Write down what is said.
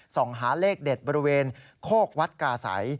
ส่องหาเลขเด็ดบริเวณโคกวัดกาศัย